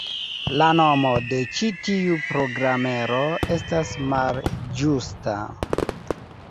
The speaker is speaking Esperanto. La nomo de ĉi tiu programero estas malĝusta.